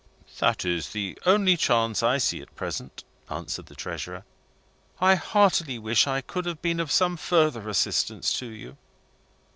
"That is the only chance I see at present," answered the Treasurer. "I heartily wish I could have been of some further assistance to you."